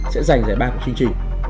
sẽ giành giải ba của chương trình